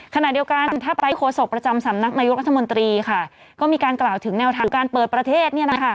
ขณะเดียวกันถ้าไปโฆษกประจำสำนักนายกรัฐมนตรีค่ะก็มีการกล่าวถึงแนวทางการเปิดประเทศ